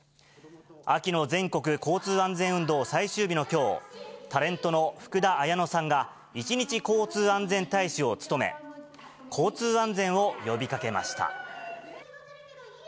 秋の全国交通安全運動最終日のきょう、タレントの福田彩乃さんが一日交通安全大使を務め、交通安全を呼びかけました。